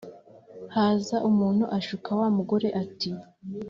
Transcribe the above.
Haza umuntu ashuka wa mugore ati”